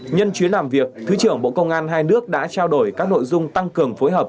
nhân chuyến làm việc thứ trưởng bộ công an hai nước đã trao đổi các nội dung tăng cường phối hợp